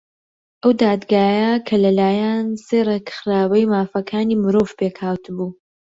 ئەو دادگایە کە لەلایەن سێ ڕێکخراوەی مافەکانی مرۆڤ پێک هاتبوو